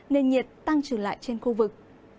nên nhiệt tăng trở lại trên khu vực